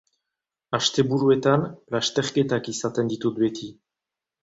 Asteburuetan lasterketak izaten ditut beti.